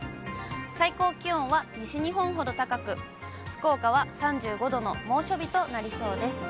最高気温は西日本ほど高く、福岡は３５度の猛暑日となりそうです。